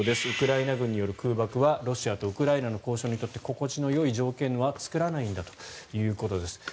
ウクライナ軍による空爆はロシアとウクライナの交渉にとって心地のよい条件は作らないんだということです。